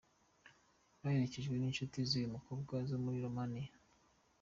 Baherekejwe n’inshuti z’uyu mukobwa zo muri Romania.